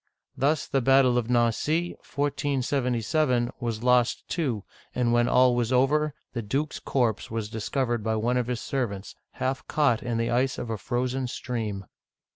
Thus the battle of Nan'cy (1477) was lost, too, and when all was over, the duke's corpse was discovered by one of his ser vants, half caught in the ice of a frozen stream.